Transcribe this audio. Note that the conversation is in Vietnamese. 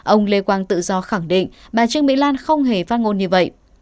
ông lê quang tự do khẳng định bà trương mỹ lan không hề phát ngôn như vậy